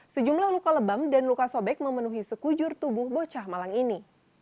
sejumlah luka lebam dan luka sobek memenuhi sekujur tubuh bocah malang ini